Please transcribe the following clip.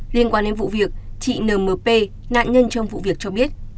liên quan đến vụ việc chị nmp nạn nhân trong vụ việc cho biết